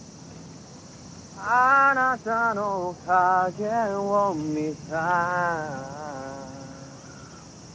「あなたの影を見た」